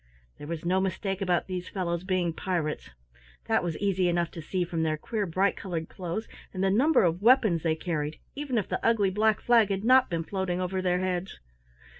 There was no mistake about these fellows being pirates that was easy enough to see from their queer bright colored clothes and the number of weapons they carried, even if the ugly black flag had not been floating over their heads.